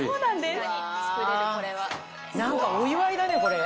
何かお祝いだねこれ。